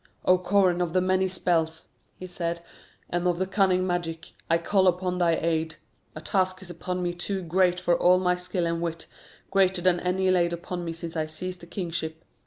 "O Coran of the many spells," he said, "and of the cunning magic, I call upon thy aid. A task is upon me too great for all my skill and wit, greater than any laid upon me since I seized the kingship.